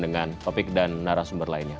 dengan topik dan narasumber lainnya